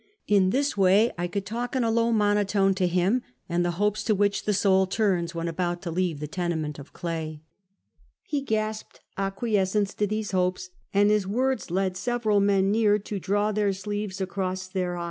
In this way I could talk in a low monotone to him, and the hopes to which the soul turns when about to leave the tenement of clay. He gasped acquiescence in these hopes, and his words led sevei'al men near to draw their sleeves across their 340 Half a Cemtuet.